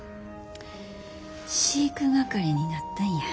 飼育係になったんや。